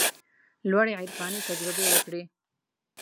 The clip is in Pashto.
لوړې عرفاني تجربې وکړي.